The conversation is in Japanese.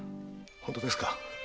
本当ですか？